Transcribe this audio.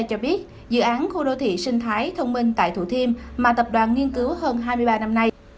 cho biết dự án khu đô thị sinh thái thông minh tại thủ thiêm mà tập đoàn nghiên cứu hơn hai mươi ba năm nay